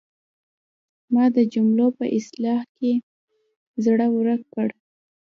ما د جملو په اصلاح کې زړه ورک کړ.